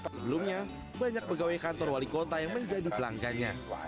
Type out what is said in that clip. sebelumnya banyak pegawai kantor wali kota yang menjadi pelanggannya